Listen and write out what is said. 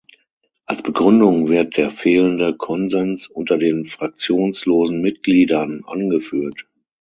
Als Begründung wird der fehlende Konsens unter den fraktionslosen Mitgliedern angeführt.